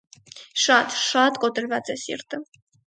շատ, շատ կոտրված է սիրտը: